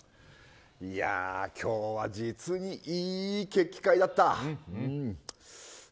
いやあ、今日は実にいい決起会だった。